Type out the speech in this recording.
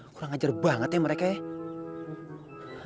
kurang ajar banget ya mereka ya